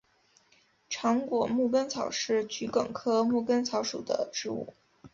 长果牧根草是桔梗科牧根草属的植物。